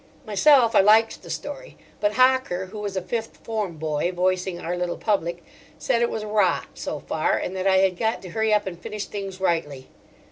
Myself, I liked the story, but Hocker, who was a Fifth Form boy, voicing our little public, said it was rot, so far, and that I had got to hurry up and finish things rightly.